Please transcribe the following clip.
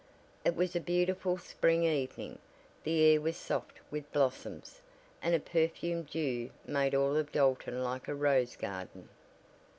It was a beautiful spring evening. The air was soft with blossoms, and a perfumed dew made all of Dalton like a rose garden.